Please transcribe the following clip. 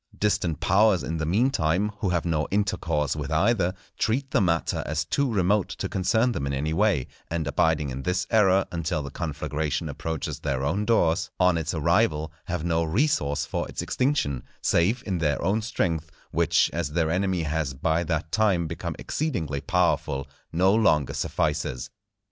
Distant powers, in the mean time, who have no intercourse with either, treat the matter as too remote to concern them in any way; and abiding in this error until the conflagration approaches their own doors, on its arrival have no resource for its extinction, save in their own strength, which, as their enemy has by that time become exceedingly powerful, no longer suffices.